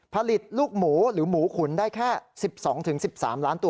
ผลิตลูกหมูหรือหมูขุนได้แค่๑๒๑๓ล้านตัว